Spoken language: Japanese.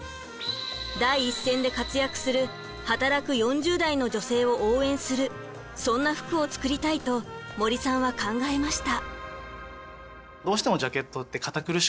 第一線で活躍する働く４０代の女性を応援するそんな服を作りたいと森さんは考えました。